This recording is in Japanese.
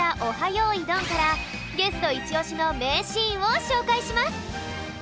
よいどん」からゲストいちおしのめいシーンをしょうかいします！